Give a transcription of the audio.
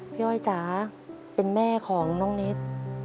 พี่อ้อยจ๋าเป็นแม่ของน้องเน็ต